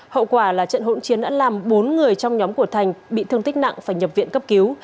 hậu quả là trận hỗn chiến đã làm bốn người trong nhóm của thành bị thương tích nặng phải nhập viện cấp cứu